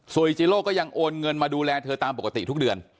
จิโล่ก็ยังโอนเงินมาดูแลเธอตามปกติทุกเดือน